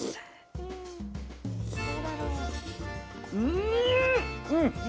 うん！